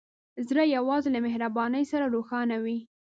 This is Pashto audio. زړه یوازې له مهربانۍ سره روښانه وي.